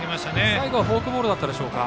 最後はフォークボールだったでしょうか。